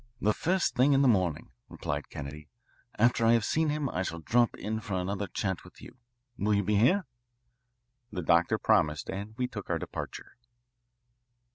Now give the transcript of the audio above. "The first thing in the morning," replied Kennedy. "After I have seen him I shall drop in for another chat with you. Will you be here?" The doctor promised, and we took our departure.